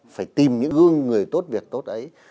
phải tìm những gương người tốt việt tốt ấy